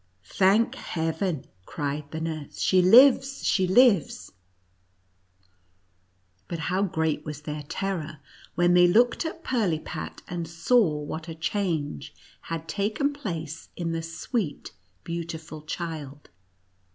" Thank heaven," cried the nurse, " she lives — she lives I" But how great was their terror, when they looked at Pirlipat, and saw what a change had taken place in the sweet beautiful child.